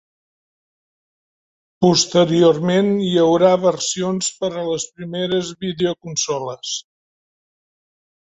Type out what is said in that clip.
Posteriorment hi hauria versions per a les primeres videoconsoles.